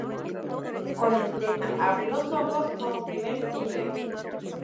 Con el tema "Abre los ojos" como primer single.